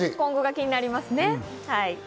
今後が気になりますね。